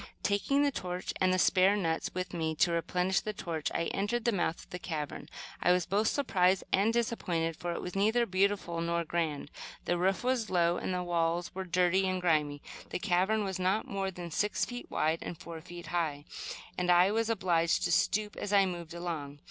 Taking the torch and the spare nuts with which to replenish the torch, I entered the mouth of the cavern. I was both surprised and disappointed, for it was neither beautiful nor grand. The roof was low, and the walls were dirty and grimy. The cavern was not more than six feet wide and four feet high, and I was obliged to stoop as I moved along.